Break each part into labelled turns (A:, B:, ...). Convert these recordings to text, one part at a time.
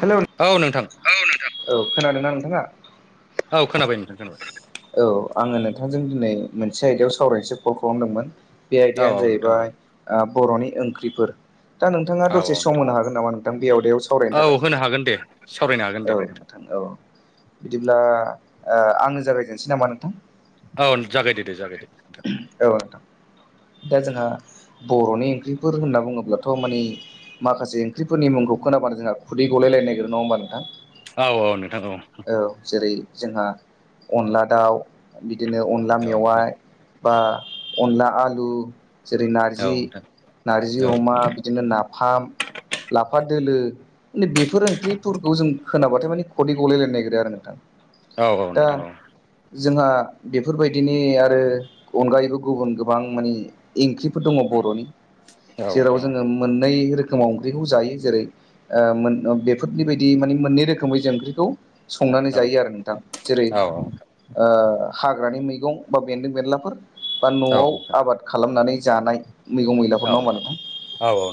A: हेल' नो
B: औ नोंथां
A: औ नोंथां औ खोनादोंना नोंथाङा
B: औ खोनाबाय नोंथां खोनाबाय
A: औ आङो नोंथांजों दिनै मोनसे आयदायाव सावरायनोसो कल खालामदोंमोन बे
B: औ
A: आयदायानो
B: औ नोंथां औ
A: जाहैबाय ओ बर'नि ओंख्रिफोर। दा नोंथाङा
B: औ
A: दसे
B: औ
A: सम
B: नोंथां
A: होनो हागोन नामा नोंथां बे आयदायाव सावरायनो
B: औ
A: थाखाय?
B: होनो हागोन दे सावरायनो हागोन दे
A: औ
B: नोंथां
A: औ। बिदिब्ला ओ आंनो जागायजेनसै नामा नोंथां?
B: औ जागायदो दे दे जागाय दे नोंथां।
A: औ नोंथां। दा जोंहा बर'नि ओंख्रिफोर होनना बुङोब्लाथ' माने। माखासे ओख्रिफोरनि मुंखौ खोनाबानो जोंहा खदै गलाय लायनो नागिरो नङा होम्बा नोंथां?
B: औ औ नोंथां औ।
A: औ जेरै जोंहा अनला दाउ बिदिनो अनला
B: औ नोंथां
A: मेवाइ। बा अनला आलु जेरै
B: औ
A: नारजि
B: नोंथां
A: नारजि
B: औ नोंथां
A: अमा
B: औ
A: बिदिनो ना। फाम लाफा दोलो बेफोर ओंख्रिफोरखौ जों खोनाबाथाय मानि खुदै गलाय लायनो नागिरो आरो नोंथां।
B: औ औ
A: दा
B: नोंथां औ।
A: जोंहा बेफोरबायदिनि आरो। अनगायैबो गुबुन गोबां माने इंख्रिफोर दङ बर'नि
B: औ
A: जेराव
B: नोंथां औ
A: जोङो। मोननै रोखोमाव ओंख्रिखौ जायो जेरै ओ मोन बेफोरनि बायदि माने मोननै रोखोमै जों ओंख्रि। खौ संनानै जायो आरो नोंथां जेरै।
B: औ नोंथां औ
A: ओ हाग्रानि मैगं बा बेन्दों बेनलाफोर बा
B: औ
A: न'आव
B: नोंथां औ
A: आबाद। खालामनानै जानाय मैगं मैलाफोर नङा होमबा नोंथां?
B: औ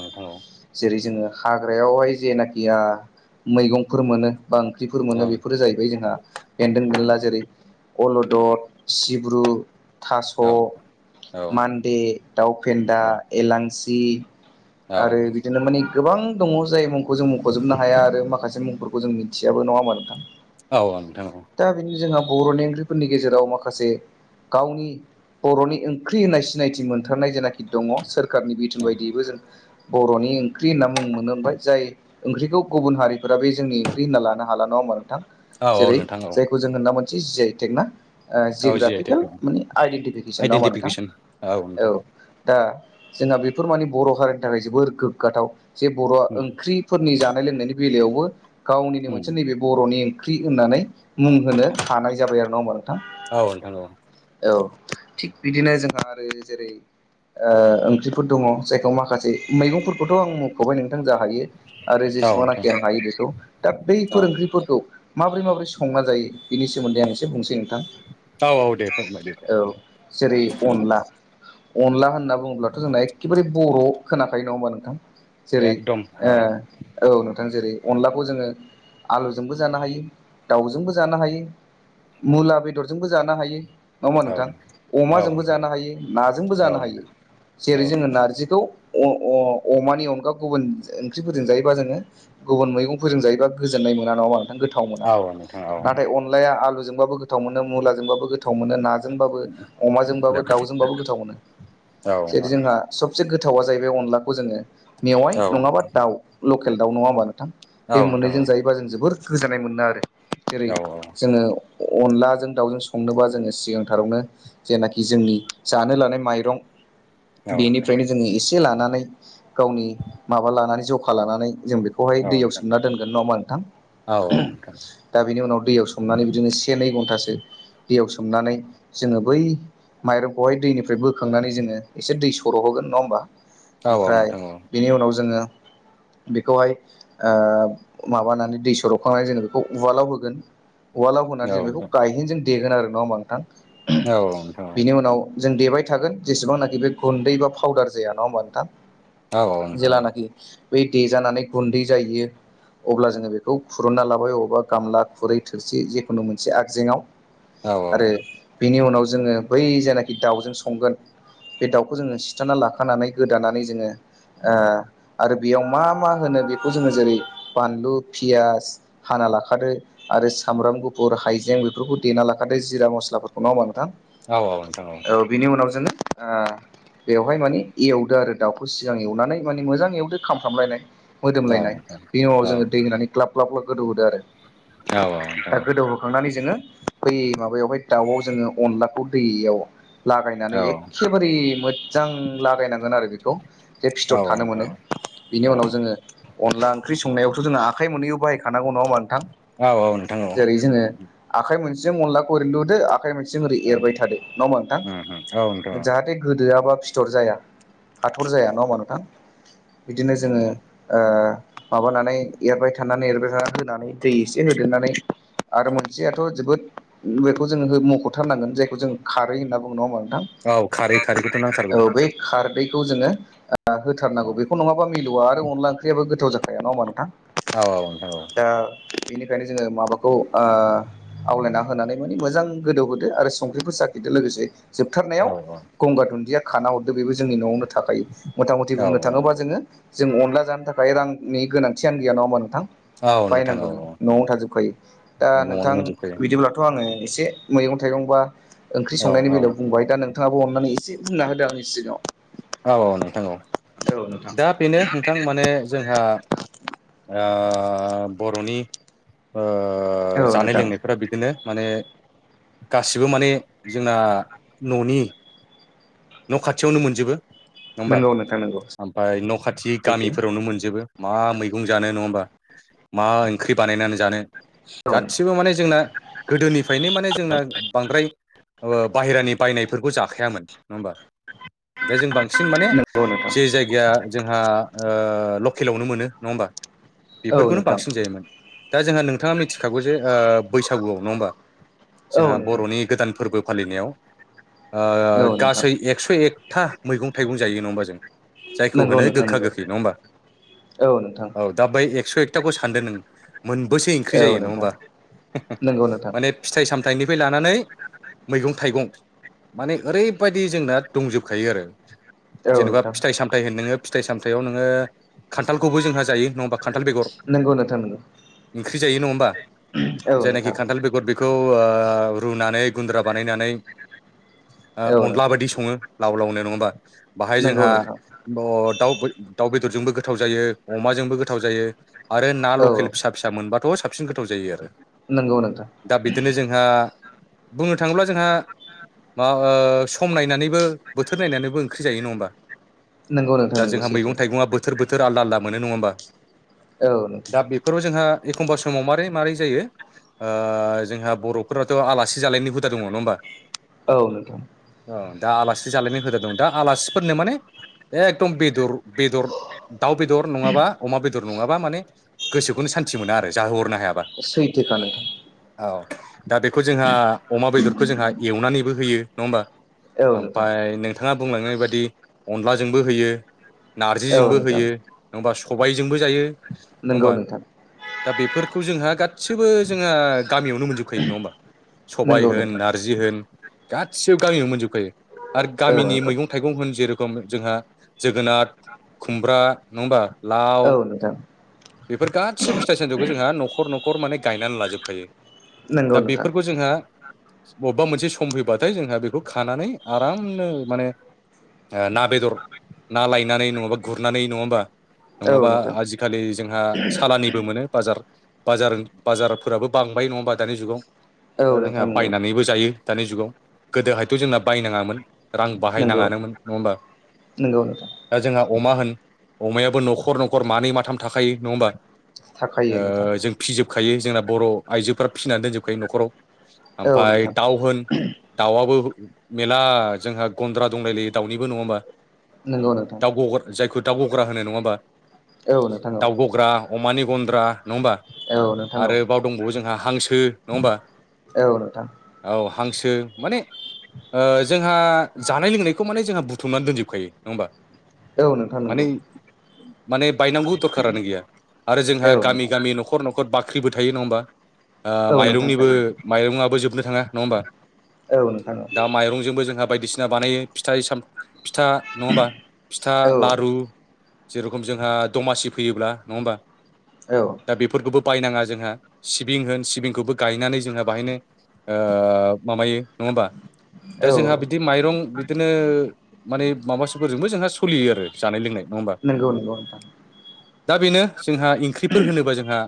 B: औ नोंथां औ
A: जेरै जोङो हाग्रायावहाय जेनाखिया मैगंफोर मोनो बा ओंंख जिफोर मोनो बेफोरो जाहैबाय जोंहा बेन्दों बेनला जेरै। अलदद सिब्रु थास'।
B: औ।
A: बे दाउ फेन्दा एलांसि आरो बिदिनो माने। गोबां दङ जाय मुंखौ जों मुंख'जोबनो हाया आरो माखासे मुंफोरखौ जों मिथियाबो नङा होमाबा नोंथां?
B: औ नोंथां औ।
A: दा बिनो जोंहा बर'नि ओंख्रिफोरनि गेजेराव माखासे। गावनि बर'नि ओंख्रि होननाय सिनायथि मोनथारनाय जेनाखि दङ सोर खारनि बिथुन बायदियैबो जों। बर'नि ओंख्रि होनना मुं मोनो ओमफाय जाय ओंख्रिखौ गुबुन हारिफोरा बे जोंनि ओंख्रि होनना लान हा नङाा नोंथां जेरै
B: नोंथां औ
A: जायखौ जों होनना मोनसे आइ टेकना ओ
B: औ जि आइ टेक
A: जिअ'ग्राफिकेल
B: औ
A: माने आइडेन्टिफिकेसन नाङा होमबा नोंथां?
B: आइडेन्टिफिकेसन नोंथां
A: औ। दा जोंहा बेफोर मानिे बर' हारिनि थाखाय जोबोर गोग्गाथाव जे बर'आ
B: औ
A: ओंख्रि। फोरनि जानाय लोंनायनि बेलायावबो गावनिनो मोन बर'नि ओंख्रि होननानै मुं होनो हानाय जाबाय आरो नङा होमबा नोंथां?
B: औ नोंथां औ‌।
A: औ थिग बिदिनो जोंहा आरो जेरै। ओ ओंख्रिफोर दङ जायखौ माखासे मैगंफोरखौथ' आं मख'बाय नोंथां आं जा हायो। आरो
B: औ नोंथां
A: जेसेबांनाखि आं हायो बेखौ दा बै
B: औ
A: फोरों। ओंख्रिफोरखौ माबोरै माबोरै संना जायो बिनि सोमोन्दै आं एसे बुंसै।
B: औ औ दे फोरमायदो
A: [unintelligible] औ औ
B: दे
A: जेरै अनला। अनला होनना बुङोब्लाथ' जोंना एखेबारे बर' खोनाखायो नङा होमबा नोंथां? जेरै
B: एकदम औ
A: ओ औ नोंथां जेरै अनलाखौ जोङो। आलुजोंबो जानो हायो दाउजोंबो जानो हायो
B: औ
A: मुला बेदरजोंबो जानो हायो। नङा होमबा
B: औ
A: नोंथां
B: औ
A: अमाजोंबो
B: नोंथां
A: जानो हायो नाजोंबो
B: औ
A: जानो हायो
B: नोंथां औ
A: जेरै जोङो नारजिखौ। अ अ अमानि अनगा गुबुन ओंख्रिफोरजों जायोबा जोङो गुबुन मैगंफोरजों जायोबा। गोजोननाय मोना नङा होमबा नोंथां गोथाव मोना
B: औ नोंथां औ नोंथां
A: नाथाइ अनलाया आलुजोंबाबो गोथाव मोनो मुलाजोंबाबबो गोथ गोथाव मोनो नाजोंबाबो अमाजोंबाबो दाउजोंबाबो गोथाव मोनो
B: औ
A: जेरै
B: नोंथां
A: जोंहा। सबसे गोथावा जाहैबाय अनलाखौ जोङो मेवाइ
B: औ
A: नङाबा दाउ लकेल दाउ नङा होमबा नोंथां?
B: औ नोंथां औ
A: बे
B: नोंथां
A: मोननैजों जायोबा जों जोबोर गोजोननाय मोनो आरो जेरै
B: औ नोंथां औ
A: जोङो। अनलाजों दाउजों संनोबा जोङो सिगांथारावनो जेनाखि जोंनि जानो लानाय माइरं बेनिफ्रायनो जोङो एसे लानानै गावनि माबा लानानै जखा लानानै जों बेखौ बेहाय
B: औ नोंथां औ नोंथां औ नोंथां औ
A: दैयाव
B: नोंथां
A: सोमना दोनगोन नङा नोंथां
B: औ औ
A: दा बेनि उनाव दैयाव सोमनानै बिदिनो से नै घन्टासो दैयाव सोमनानै जोंङो बै माइरंखौहाय दैनिफ्राय बोखांनानै जोङो एसे दै सर' होगोन नंङा होमबा
B: औ औ
A: ओमफ्राय
B: नोंथां
A: बेनि उनाव जोंङो बेखौहाय माबानानै दै सरबखांनानै जोङो बेखौ उवालाव होगोन उवालाव होनानै जों बेखौ गायहेन जों देगोन आरो नङा होमबा नोंथां
B: औ औ
A: बिनि उनाव जों देबाय थागोन जेसेबांनाखि बे गुन्दै बाउदार जाया नङा होनोमबा नोंथां
B: नोंथां औ
A: जेेलानाखि बै देजानानै गुन्दै जाहैयो अब्ला जोङो बेखौ खुरुनना लाबाय अबेावबा गामला खुरै थोरसि जिखुनु मोनसे आगजेंआव। आरो बिनि उनाव जोङो बै जेनाखि दाउजों संगोन बे दाउखौ जोङो सिथाराना लाखानानै गोदानानै जोङो ओ आरो बेयाव मा मा होनो बेखौ जोङो जेरै बानलु पियास हाना लाखादो। आरो सामब्राम गुफुर हाइजें बेफोरखौ देना लाखादो जिरा मस्लाफोरखौ नङा होनबा नोंथां।
B: औ औ नोंथां औ।
A: बिनि उनाव जों ओ बेवहाय माने एवदो आरो दाउखौ सिगां एवनानै माने मोजां एवदो खामफ्रामलायनाय। मोदोमलायनाय बेनि उनाव जोङो दै होनानै ग्लाब ग्लाब ग्लाब गोदौहोदो आरो। दा गोदौ खांनानै जोङो बै माबायावहाय दाउआव जोङो अनलाखौ दैयाव लागायनानै एखेबारे मोजां लागायनांगोन आरो बेखौ। जे फिथर थानो मोनो बेनि उनाव जोङो अनला ओंख्रि संनायावथ' जोंङो आखाइ मोनहैयो बाहाय खानांगौ नङा होनबा नोंथां। जेरै जोङो आखाइ मोनसेजों अनलाखौ ओरै लुदो आखाइ मोनसेजों ओरै एरबाय थादो नङा होमबा नोंथां। जाहाथे गोदोआबा फिथर जाया हाथर जाया नङा होनबा नोंथां बिदिनो जोङो ओ माबानानै एरबाय थानानै एरबाय थानानै होनानै दै एसे होदेरनानै आरो मोनसेयाथ' जोबोद बेखौ जोङो मख'थारनांगोन जायखौ जों खारै होन्ना बुङो नङा होनबा नोंथां।
B: औ खारै खारैखौथ' नांथारगौ।
A: औ बै खारदैखौ जोङो
B: औ
A: होथारनांगौ बेखौ नङाबा मिलौवा आरो अनला ओंख्रियाबो गोथाव जा नङा होमबा नोंथां?
B: औ औ नोंथां औ।
A: ओ दा बेनिखायनो जोङो माबाखौ ओ आवलायना होनानै माने मोजां गोदौहोदो आरो संख्रिफोर साखिदो लोगोसे
B: औ
A: जोबथारनायाव गंगार दुन्दिया खाना हरदो बेबो जोंनि न'आवनो थाखायो। मथा मथि
B: औ
A: बुंनो थाङोबा जोङो जों अनला जानो थाखाय रां नि गोनांथियानो गैया नङा होनबा नोंथां।
B: औ नोंथां औ
A: बायनांगौनि
B: औ
A: न'आव थाजोबखायो दा
B: न'आवनो
A: नोंथां
B: मोनजोबखायो
A: बिदिब्ला थ' आङो एसे मैं थाइगं बा ओंख्रि
B: औ
A: संनायनि बेलायाव बुंबाय। दा नों थाङाबो अननानै एसे बुंना होदो आंनि सिगाङाव।
B: औ औ नोंथां औ
A: औ नोंथां
B: दा बेनो नोंथां माने जोंहा ओ बर'नि
A: औ
B: जानाय
A: नोंथां
B: लोंनायफोरा बिदिनो माने गासिबो माने जोंना न'नि। न' खाथियावनो मोनजोबो नङा होमबा
A: नंगौ नोंथां नंगौ
B: ओमफ्राय न' खाथि
A: सैथो
B: गामिफोरावनो मोनजोबो। मा मैगं जानो नङा होमबा। मा ओंख्रि बानायनानै जानो।
A: औ
B: गासिबो माने जोंना गोदोनिफ्रायनो माने जोंना बांद्राय बाहेरानि बायनायफोरखौ जाखायामोन। नङा होमबा दा जों बांसिन माने
A: नंगौ नोंथां
B: जे जायगाया जोंहा ओ लकेलावनो मोनो नङा होमबा?
A: औ
B: बेफोरखौनो
A: नोंथां
B: बांसिन जायोमोन। दा जोंहा नोंथाङा मिथि थिखागौ जे बैसागुआव नङा होमबा
A: औ
B: जोंहा
A: नोंथां
B: बर'नि गोदान फोरबो फालिनायाव
A: औ नोंथां
B: गासै एक्स' एकथा मैगं थाइगं जायो नङा होमबा जों। जायखौ
A: नंगौ
B: होनो
A: नोंथां
B: गोखा
A: नंगौ
B: गोखै नङा होमबा
A: औ नोंथां
B: औ। दा बै एकस' एकथाखौ सानदो नों मोनबैसो ओंख्रि
A: औ
B: जायो नङा
A: नोंथां
B: होमबा।
A: नंगौ नोंथां
B: माने फिथाइ सामथाइनिफ्राय लानानै मैगं थाइगं माने ओरैबायदि जोंना दंजोब खायो आरो
A: औ
B: जेनेबा
A: नोंथां
B: फिथाइ साम थाय होन नोङो फिथाइ सामथायाव नोङो खान्थालखौबो जोंहा जायो नङा होमबा खान्थाल बेगर।
A: नंगौ नोंथां नंगौ
B: ओंख्रि जायो नङा होमबा
A: औ
B: जायनाखि
A: नोंथां
B: खान्थाल बेगर बे बेखौ ओ रुनानै गुन्द्रा बानायनानै ओ
A: औ
B: अनला
A: नोंथां
B: बायदि सङो लाव लावनो नङा होनबा बाहाय
A: नंगौ
B: जोंहा
A: नोंथां
B: दाउ दाउ बेदरजोंबो गोथाव जायो अमाजोंबो गोथाव जायो। आरो ना
A: औ
B: लकेल फिसा फिसा मोनबाथ' साबसिन गोथाव जायो आरो
A: नंगौ नोंथां।
B: दा बिदिनो जोंहा बुंनो थाङोब्ला जोंहा मा ओ सम नायनानैबो बोथोर नायनानैबो ओंख्रि जायो नङा होमबा।
A: नंगौ नोंथां
B: दा
A: नंगौ
B: जोंहा
A: सैथो
B: मैगं थाइगङा बोथोर बोथोर आलदा आलदा मोनो नङा होमबा
A: औ नोंथां
B: दा बे बे फोराव जोंहा एखमबा समाव मारोरै मारै जायो ओ जोंहा बर'फोराथ' आलासि जालायनो हुदा दङ नङ होमबा
A: औ नोंथां।
B: औ दा आलासि जालायनाय हुदा दंमोन दा आलासिफोरनो माने एकदम बेदर बेदर दाउ बेदर नङाबा अमा बेदर नङाबा माने गोसोखौनो सान्तथि मोनो आरो जाहोहरनो हायाबा।
A: सैथोखा नोंथां।
B: औ दा बेखौ जोंहा अमा बेदरखौ जोंहा एवनानैबो होयो नङा होमबा
A: औ नोंथां
B: ओमफ्राय नोंथाङा बुंलांनाय बाददि अनलाजोंबो होयो
A: औ
B: नारजिजोंबो
A: नोंथां
B: होयो नङाबा सबायजोंबो जायो नङा
A: नंगौ
B: होमबा
A: नोंथां
B: दा बेफोरखौ जोंहा गासिबो जोंहा गामियावनो मोनजोबखयो नङा होमबा सबाय
A: नंगौ
B: होन
A: नोंथां
B: नारजि होन गासिबो गामियावनो मोनजोबखायो। आरो
A: औ
B: गामिनि
A: नोंथां
B: मैगं थाइगं होन जेरेखम जोंहा जोगोनार खुमब्रा नङा होनबा लाव
A: औ नोंथां
B: बेफोर गासैबो फिथाइ सामथायखौ जोंहा न'खर न'खर माने गायनानै लाजोबखायो।
A: नंगौ
B: दा
A: नोंथां
B: बेफोरखौ जोंहा बबेबा मोनसे सम फैबाथाय जोंहा बेखौ खानानै आरामनो माने ना बेदर ना लायनानै नङाबा गुरनानै नङा होमबा
A: औ
B: नङाबा
A: नोंथां
B: आजिखालि जोंहा साालनिबो मोनो। बाजार बाजार बाजारफोराबो बांबाय नङा दानि जुगाव दा
A: औ
B: जोंहा
A: नोंथां नंगौ
B: बायनानैबो जायो दानि जुगाव गोदोहायथ' जोंना बायनाङामोन रां
A: नंगौ
B: बाहायनााङानोमोन नङा होमबा
A: नंगौ नोंथां
B: दा जोंहा अमा होन अमायाबो न'खर न'खर मानै माथाम थाखायो नङा होमबा
A: थाखायो नोंथां
B: ओ जों फिजोबखायो जोंना बर' आइजोफोरा फिसिनानै दोनजोबखायो न'खराव
A: औ
B: ओमफफ्राय
A: नोंथां
B: दाउ होन दाउआबो मेरला जोंहा गन्द्रा दंलायलायो दाउनिबो नङा होमबा
A: नंगौ नोंथां
B: दाउ गग्रा जायखौ दाउ गग्रा होनो नङ हाबा
A: औ नोंथां औ
B: दाउ गग्रा अमानि गन्द्रा नङा होमबा
A: औ नोंथां औ
B: आरो बाव दंबावो जोंहा हांसो नङा होमबा
A: औ नोंथां
B: औ हांसो माने जोंहा जानाय लोंनायखौ माने जोंहा बुथुमनानै दोनजोबखायो नङा होमबा
A: औ नोंथां
B: माने
A: नोंगौ।
B: माने बायनांगौ दरखारानो गैया आरो जोंहा
A: औ
B: गामि
A: नोंथां
B: गामि न'खर न' खर बाख्रिबो थायो नङा होमबा ओ
A: औ नोंथां
B: माइरंनिबो
A: थायो
B: माइरङआबो जोबनो थाङा नङा होमबा
A: औ नोंथां औ।
B: दा माइरंजोंबो जोंहा बायदिसिना बानायो फिथय साम फिथा नङा होमबा फिथा
A: औ
B: लारु
A: औ
B: जेरुखम जोंहा दमासि फैयोब्ला नङा होमबा
A: औ।
B: दा बेफोरखौबो बायनाङा जोंहा सिबिं होन सिबिंखौबो गायनानै जोंहा बाहायनो ओ माबायो नङा होमबा दा
A: औ
B: जोंहा बिदि माइरं बिदिनो माने माबाासफोरजोंबो जोंहा सलियो आरो जानाय लोंनाय नङा होमबा
A: नंगौ नंगौ नोंथां।
B: दा बेनो जोंहा ओंख्रिफोर होनोबा जोंहा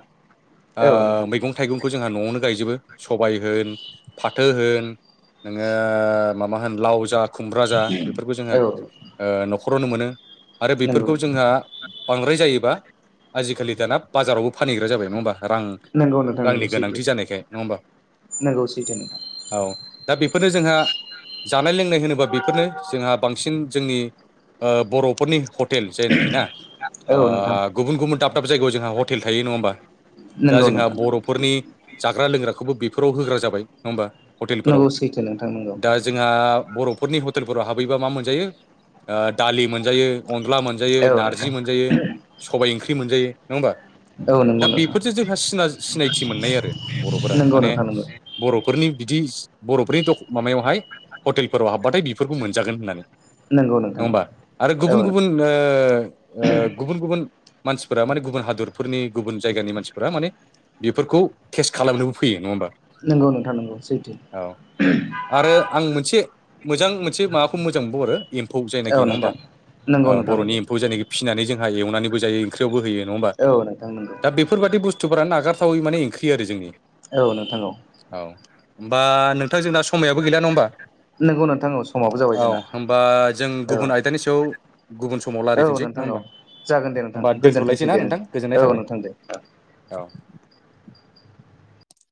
B: ओ
A: औ नोंथां
B: मैगं थाइगंखौ जोंहा न'आवनो गायजोबो सबाय होन फाथो होन नोङो माबा होन लाव जा खुमब्रा जा बेफोरखौ जोङो
A: औ
B: ओ न'खरावनो मोनो आरो
A: नंगौ
B: बेफोरखौ जोंहा बांद्राय जायोबा आजिखालि दाना बाजारावबो फानहैग्रा जाबाय नङा होमबा रां
A: नंगौ
B: रांनि गोनांथि जानायखाय नङा होमबा -?
A: नंगै सोयथो नोंथां।
B: औ दा बेफोरनो जोंहा जानाय लोंनाय होनोबा बेफोरनो जोंहा बांसिन जोंनि ओ बर'फोरनि हटेल जायनाखि ना
A: औ नोंथां
B: ओ गुबुन गुबुन दाब दाब जायगायाव जोंहा हटेल थायो नङा होमबा दा
A: नंगौ
B: जोंहा
A: नोंथां
B: बर' फोरनि जाग्रा लोंग्राखौबो बेफोराव होग्रा जाबाय नङा होमबा।
A: नोंगौ सैथो नोंथांमोन नोंगौ।
B: ओ जोंहा बर'फोरनि हटेलफोराव हाबहैबा मा मोनायो दालि मोनजायो अनला मोन मोनजायो
A: औ नोंथां
B: नारजि मोनजायो सबबाय ओंख्रि मोनजायो नङा होमबा?
A: औ नंगौ
B: दा
A: नोंथां
B: बेफोरजों जोंहासिना सिनायथि मोननाय आरो बर'फोरा
A: नंगौ
B: माने
A: नोंथां नंगौ
B: बर'फोरनि बिदि बर'फोरनि द माबायावहाय हटेलफोराव हाबबाथाय बेफोरखौ मोनजागोन होननानै।
A: नंगौ नोंथां
B: नङाबा आरो
A: औ
B: गुबुन गुबुन ओ ओ गुबुन गुबुन मानसिफोरा माने गुबुन हादरफोरनि गुबुन जायगानि मानसिफोरा माने बेफोरखौ टेस्ट खालामनोबो फैयो नङा होमबा?
A: नंगौ नोंथां नगौ सैथो।
B: औ आरो आं मोनसे मोजां मोनसे माबाखौ मोजांबो हरो एम्फौ
A: औ
B: जायनाखि नङा होमबा
A: नोंथां नंगौ
B: ओ
A: नोंथां
B: बर'नि
A: नंगौ
B: एमफौ जायनाखि फिनानै जोंहा एवनानैबो जायो ओंख्रियावबो होयो नङा होमबा?
A: औ नोंथां नंगौ।
B: दा बेफोरबाददि बुस्थुफोराानो नागारथावै माने ओंख्रि आरो जोंनि।
A: औ नोंथां औ।
B: औ। बा नोंथांजोंना समायाबो गैला नङा होमबा।
A: नंगौ नोंथां औ समाबो जाबाय
B: औ
A: जोंना
B: होनबा जों
A: औ
B: गुबुन आयदानि सायाव गुबुन समाव
A: औ
B: रालायफिनसै नङा
A: नोंथां
B: होमबा
A: औ जागोन दे नोंथां
B: होमबा दोन्थ'लायसै
A: गोजोनथोंसै
B: ना
A: दे
B: नोंथां गोजोननाय
A: औ
B: थाबाय।
A: नोंथां दे औ
B: औ।